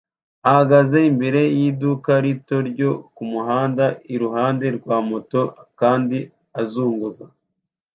ahagaze imbere y'iduka rito ryo ku muhanda iruhande rwa moto kandi azunguza